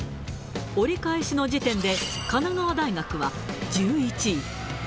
折り返しの時点で、神奈川大学は１１位。